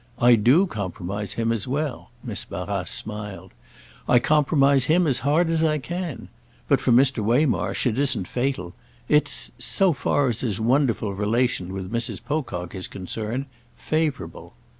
I do compromise him as well," Miss Barrace smiled. "I compromise him as hard as I can. But for Mr. Waymarsh it isn't fatal. It's—so far as his wonderful relation with Mrs. Pocock is concerned—favourable."